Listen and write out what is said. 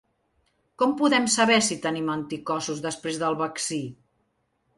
Com podem saber si tenim anticossos després del vaccí?